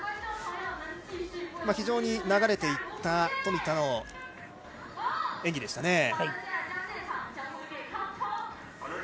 非常に流れていった冨田の演技でした。